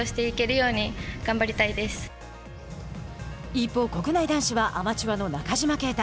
一方、国内男子はアマチュアの中島啓太。